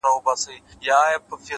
كله وي خپه اكثر؛